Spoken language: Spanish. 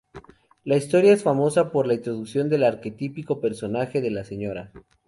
La historia es famosa por la introducción del arquetípico personaje de la Sra.